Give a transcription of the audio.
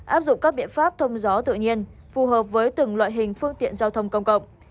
áp dụng các biện pháp thông gió tự nhiên phù hợp với từng loại hình phương tiện giao thông công cộng